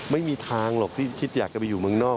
ไม่มีทางหรอกที่คิดอยากจะไปอยู่เมืองนอก